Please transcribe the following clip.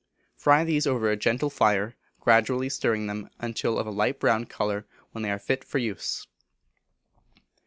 Fry these over a gentle fire, gradually stirring them until of a light brown colour, when they are fit for use.